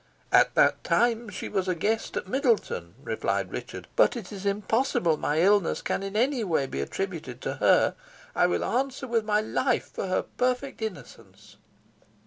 "At that time she was a guest at Middleton," replied Richard; "but it is impossible my illness can in any way be attributed to her. I will answer with my life for her perfect innocence."